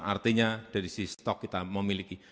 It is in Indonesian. artinya dari si stok kita memiliki